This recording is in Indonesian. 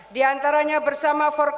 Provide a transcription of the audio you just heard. diantaranya bersama dengan pemerintah